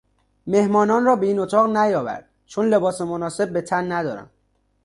مهمانان را به این اتاق نیاور چون لباس مناسب به تن ندارم.